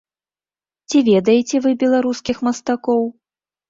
Ці ведаеце вы беларускіх мастакоў?